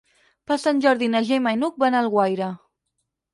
Per Sant Jordi na Gemma i n'Hug van a Alguaire.